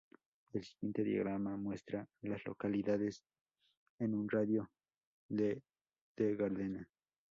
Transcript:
El siguiente diagrama muestra a las localidades en un radio de de Gardena.